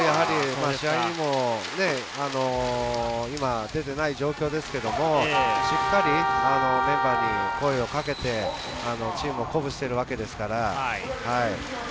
試合にも今は出ていない状況ですが、しっかりとメンバーに声をかけてチームを鼓舞しているわけですから。